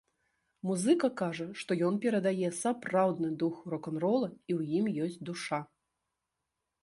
Музыка кажа, што ён перадае сапраўдны дух рок-н-рола і ў ім ёсць душа.